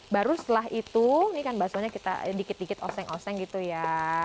baru setelah itu ini kan baksonya kita dikit dikit oseng oseng gitu ya